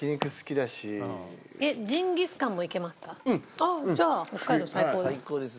ああじゃあ北海道最高ですね。